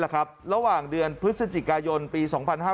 ระหว่างเดือนพฤศจิกายนปี๒๕๕๙